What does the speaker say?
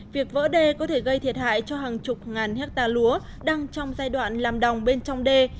việc vỡ đê có thể gây thiệt hại cho hàng chục ngàn hectare lúa đang trong giai đoạn làm đồng bên trong đê